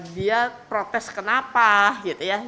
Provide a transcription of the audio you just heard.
dia protes kenapa gitu ya